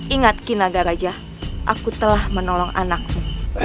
ingat kinaga raja aku telah menolong anakku